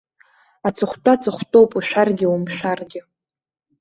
Аҵыхәтәа ҵыхәтәоуп, ушәаргьы умшәаргьы.